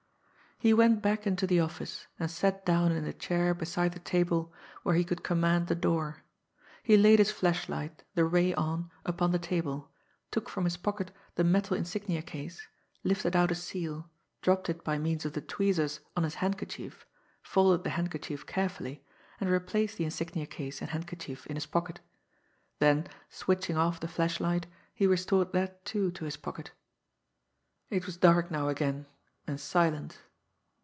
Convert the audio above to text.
He went back into the office, and sat down in a chair beside the table where he could command the door. He laid his flashlight, the ray on, upon the table, took from his pocket the metal insignia case, lifted out a seal, dropped it by means of the tweezers on his handkerchief, folded the handkerchief carefully, and replaced the insignia case and handkerchief in his pocket; then, switching off the flashlight, he restored that, too, to his pocket. It was dark now again and silent.